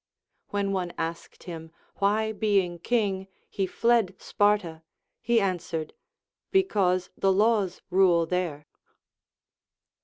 When one asked him why being king he fled Sparta, he answered. Because the laws rule there.